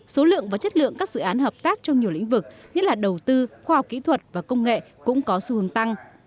số lượng và chất lượng các dự án hợp tác trong nhiều lĩnh vực nhất là đầu tư khoa học kỹ thuật và công nghệ cũng có xu hướng tăng